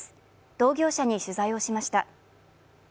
同業者に取材をしました。